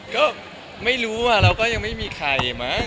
ก็ไม่รู้เราก็ยังไม่มีใครมั้ง